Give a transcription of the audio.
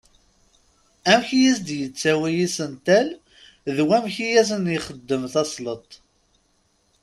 Amek i as-d-yettawi isental d wamek i asen-ixeddem tasleḍt.